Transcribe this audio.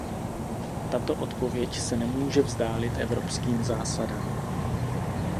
Tato odpověď se nemůže vzdálit evropským zásadám.